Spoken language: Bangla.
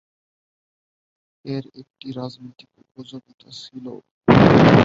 এর একটি রাজনৈতিক উপযোগিতা ছিল।